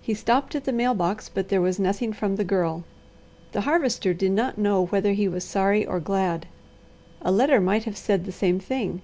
He stopped at the mail box, but there was nothing from the Girl. The Harvester did not know whether he was sorry or glad. A letter might have said the same thing.